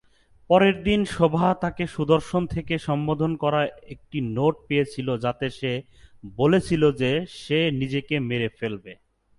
পরের দিন শোভা তাকে সুদর্শন থেকে সম্বোধন করা একটি নোট পেয়েছিল যাতে সে বলেছিল যে সে নিজেকে মেরে ফেলবে।